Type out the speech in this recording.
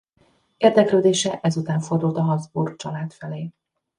Érdeklődése ezután fordult a Habsburg-család felé.